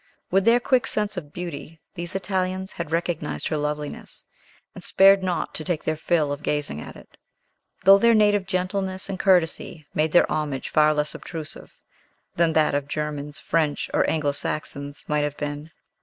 With their quick sense of beauty, these Italians had recognized her loveliness, and spared not to take their fill of gazing at it; though their native gentleness and courtesy made their homage far less obtrusive than that of Germans, French, or Anglo Saxons might have been.